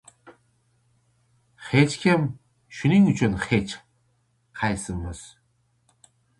Hech kim. Shuning uchun hech qaysimiz